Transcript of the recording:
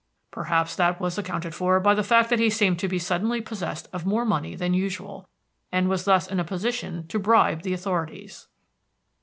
Perhaps that was accounted for by the fact that he seemed to be suddenly possessed of more money than usual, and was thus in a position to bribe the authorities.